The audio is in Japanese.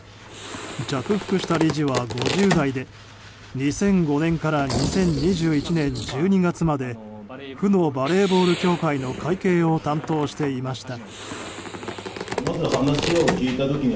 着服した理事は５０代で２００５年から２０２１年１２月まで府のバレーボール協会の会計を担当していました。